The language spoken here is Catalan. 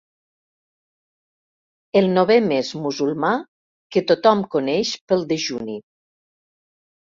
El novè mes musulmà que tothom coneix pel dejuni.